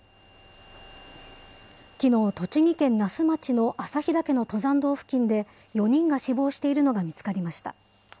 きのう、栃木県那須町の朝日岳の登山道付近で、４人が死亡しているのが見つかりました。